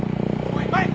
おい